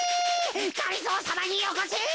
がりぞーさまによこせ！